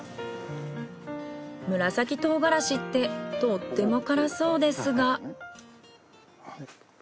紫とうがらしってとっても辛そうですが。